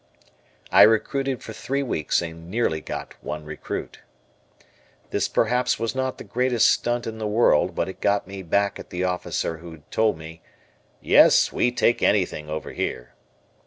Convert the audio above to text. I recruited for three weeks and nearly got one recruit. This perhaps was not the greatest stunt in the world, but it got back at the officer who had told me, "Yes, we take anything over here."